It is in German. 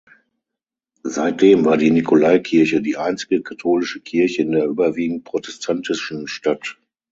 Seitdem war die Nikolaikirche die einzige katholische Kirche in der überwiegend protestantischen Stadt.